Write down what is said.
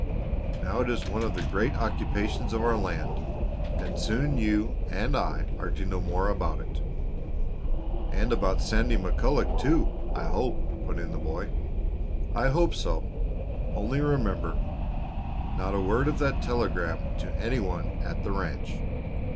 Now it is one of the great occupations of our land, and soon you and I are to know more about it." "And about Sandy McCulloch, too, I hope," put in the boy. "I hope so; only remember not a word of that telegram to any one at the ranch.